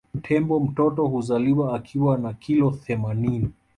Tembo mtoto huzaliwa akiwa na kilo themaninini